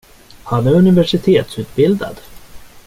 Han är universitetsutbildad.